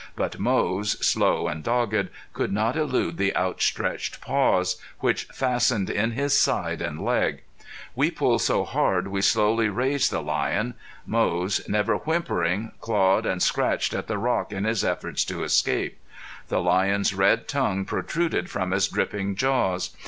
But Moze, slow and dogged, could not elude the outstretched paws, which fastened in his side and leg. We pulled so hard we slowly raised the lion. Moze, never whimpering, clawed and scratched at the rock in his efforts to escape. The lion's red tongue protruded from his dripping jaws.